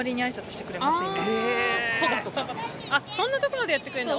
あそんなとこまでやってくれるんだ？